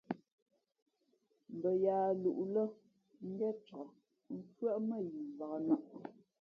Mbα yaā lūʼ lά ngén cak mfʉ́άʼ mά yi mvǎk nᾱʼ.